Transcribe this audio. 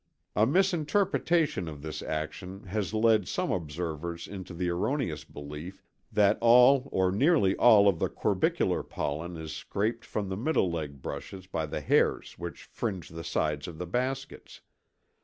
A misinterpretation of this action has led some observers into the erroneous belief that all or nearly all of the corbicular pollen is scraped from the middle leg brushes by the hairs which fringe the sides of the baskets.